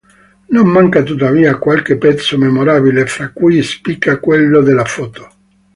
Non manca, tuttavia, qualche pezzo memorabile, fra cui spicca "Quello della foto".